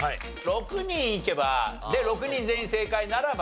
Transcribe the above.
６人いけばで６人全員正解ならば。